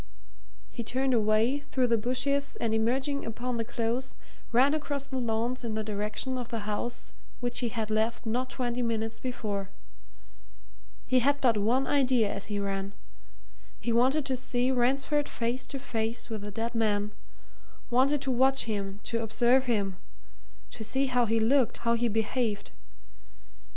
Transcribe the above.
He turned away through the bushes and emerging upon the Close ran across the lawns in the direction of the house which he had left not twenty minutes before. He had but one idea as he ran he wanted to see Ransford face to face with the dead man wanted to watch him, to observe him, to see how he looked, how he behaved.